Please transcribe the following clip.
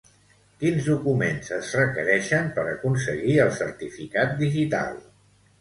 Quins documents es requereixen per aconseguir el certificat digital?